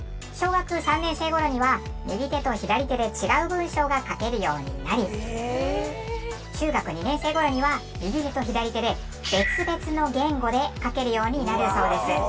小学３年生頃には右手と左手で違う文章が書けるようになり中学２年生頃には右手と左手で別々の言語で書けるようになるそうです。